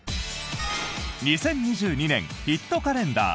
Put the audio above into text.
２０２２年ヒットカレンダー。